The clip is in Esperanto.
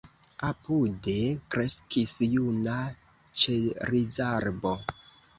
Apude kreskis juna ĉerizarbo.